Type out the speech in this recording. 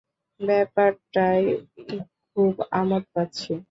ব্যাপারটায় খুব আমোদ পাচ্ছি।